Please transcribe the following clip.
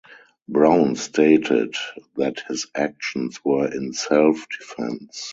Brown stated that his actions were in self-defense.